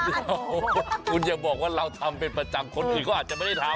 เดี๋ยวคุณอย่าบอกว่าเราทำเป็นประจำคนอื่นเขาอาจจะไม่ได้ทำ